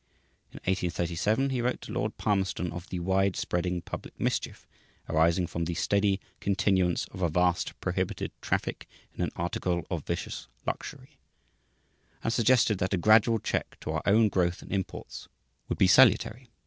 In 1837, he wrote to Lord Palmerston of "the wide spreading public mischief" arising from "the steady continuance of a vast, prohibited traffic in an article of vicious luxury," and suggested that "a gradual check to our own growth and imports would be salutary."